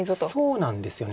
そうなんですよね。